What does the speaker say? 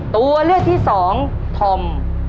ตัวเลือกที่สองธอม